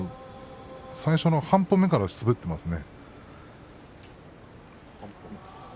最初の半歩目から滑っていますね。